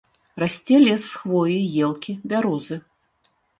Расце лес з хвоі, елкі, бярозы.